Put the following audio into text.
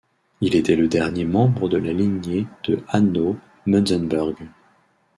Il était le dernier membre de la lignée de Hanau-Münzenberg.